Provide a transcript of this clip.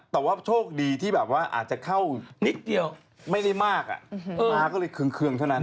แต่ว่าโชคดีที่อาจจะเข้าไม่ได้มากมาก็เลยเครื่องเท่านั้น